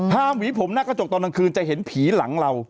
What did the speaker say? หวีผมหน้ากระจกตอนกลางคืนจะเห็นผีหลังเรา